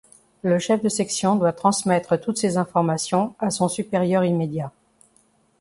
Le chef de section doit transmettre toutes ces informations à son supérieur immédiat.